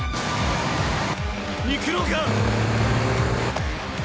行くのか？